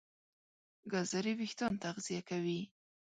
ګازرې وېښتيان تغذیه کوي.